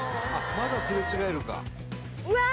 「まだすれ違えるか」